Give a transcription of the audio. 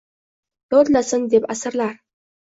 Yodlasin deb asrlar —